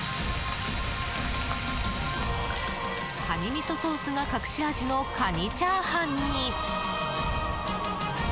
カニみそソースが隠し味のカニチャーハンに。